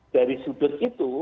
dari sudut itu